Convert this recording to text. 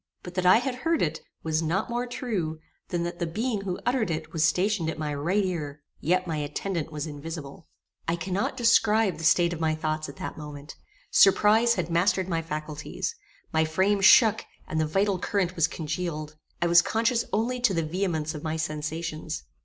But that I had heard it, was not more true than that the being who uttered it was stationed at my right ear; yet my attendant was invisible. I cannot describe the state of my thoughts at that moment. Surprize had mastered my faculties. My frame shook, and the vital current was congealed. I was conscious only to the vehemence of my sensations.